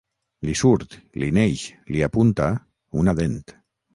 Li surt, li neix, li apunta, una dent.